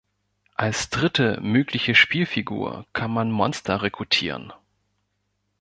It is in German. Als dritte mögliche Spielfigur kann man Monster rekrutieren.